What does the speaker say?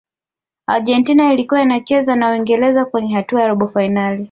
argentina ilikuwa inacheza na uingereza kwenye hatua ya robo fainali